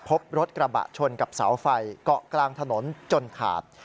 พบรถกระบะชนกับเสาไฟเกาะกลางถนนจนขาด